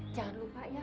jangan lupa ya